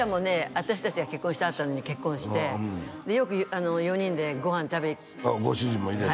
私達が結婚したあとに結婚してよく４人でご飯食べにご主人も入れて？